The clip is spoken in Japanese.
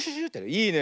いいね。